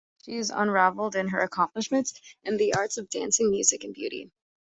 She is unrivalled in her accomplishments in the arts of dancing, music and beauty.